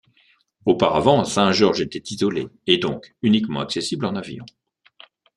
Auparavant Saint-Georges était isolée et donc uniquement accessible en avion.